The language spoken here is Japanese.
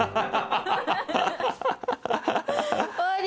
終わり？